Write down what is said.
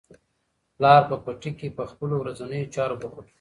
پلار په پټي کې په خپلو ورځنیو چارو بوخت و.